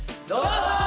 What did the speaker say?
どうぞ。